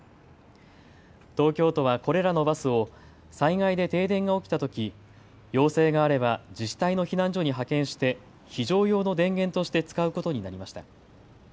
東京都はこれらのバスを災害で停電が起きたとき要請があれば自治体の避難所に派遣して非常用の電源として使うことになりました。